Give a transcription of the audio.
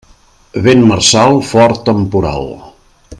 Vent marçal, fort temporal.